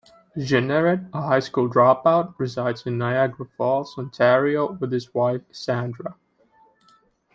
Jeanneret, a high school dropout, resides in Niagara Falls, Ontario with his wife, Sandra.